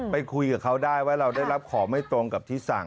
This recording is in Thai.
ไปคุยกับเขาได้ว่าเราได้รับของไม่ตรงกับที่สั่ง